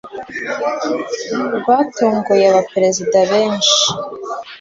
rwatunguye aba perezida benshi,